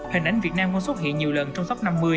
hình ảnh việt nam có xuất hiện nhiều lần trong sóc năm mươi